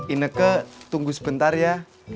ineke tunggu sebentar ya